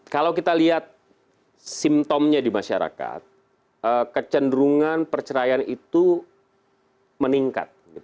kalau kita lihat simptomnya di masyarakat kecenderungan perceraian itu meningkat